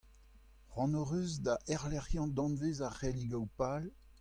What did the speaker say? Cʼhoant hocʼh eus da erlecʼhiañ danvez ar cʼhelligoù pal?